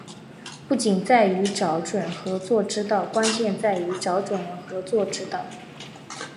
不仅在于找准合作之道，关键在于找准了合作之道